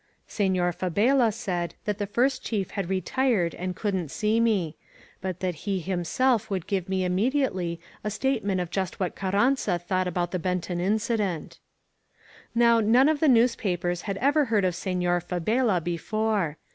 Senor Fabela said S69 INSUKGEXT MEXICO that the Tint diief had retired and coaUn't see me; hot that he himself would give me immediately a state ment of just what Carranza thought about the Ben ton incident. Now none of the newspapers had erer heard of Sefior Fabela before.